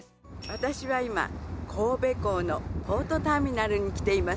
私は今神戸港のポートターミナルに来ています